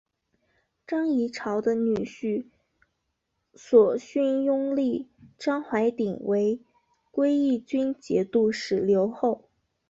张议潮的女婿索勋拥立张淮鼎为归义军节度使留后。